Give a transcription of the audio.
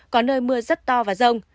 có nơi mưa rất to và rông